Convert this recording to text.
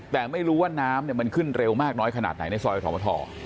แต่ไม่รู้ว่าน้ำเนี่ยมันขึ้นเร็วมากน้อยขนาดไหนในซอยของถอมเมอร์ธอ